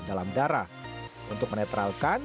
dalam darah untuk menetralkan